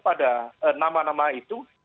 pada nama nama itu